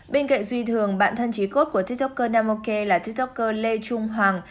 bên cạnh duy thường bạn thân trí cốt của tiktoker nanoke là tiktoker lê trung hoàng